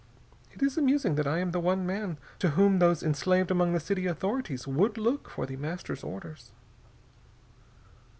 It is amusing that I am the one man to whom those enslaved among the city authorities would look for The Master's orders."